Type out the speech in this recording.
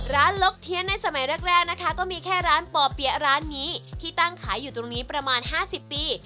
ลกเทียนในสมัยแรกนะคะก็มีแค่ร้านป่อเปี๊ยะร้านนี้ที่ตั้งขายอยู่ตรงนี้ประมาณ๕๐ปี